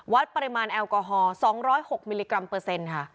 วัดปริมาณแอลกอฮอล๒๐๖มิลลิกรัมเปอร์เซ็นต์ค่ะ